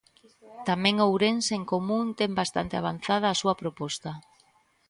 Tamén Ourense en Común ten bastante avanzada a súa proposta.